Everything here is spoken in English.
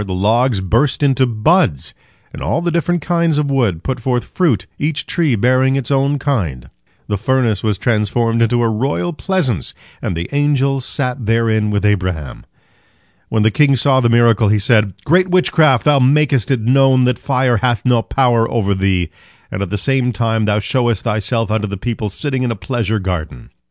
The logs burst into buds, and all the different kinds of wood put forth fruit, each tree bearing its own kind. The furnace was transformed into a royal pleasance, and the angels sat therein with Abraham. When the king saw the miracle, he said: "Great witchcraft! Thou makest it known that fire hath no power over thee, and at the same time thou showest thyself unto the people sitting in a pleasure garden."